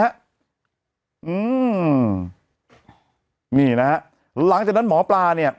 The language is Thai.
อืมนี่นะฮะหลังจากนั้นหมอปลาเนี่ย